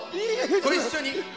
ご一緒に。